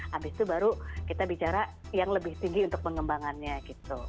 habis itu baru kita bicara yang lebih tinggi untuk pengembangannya gitu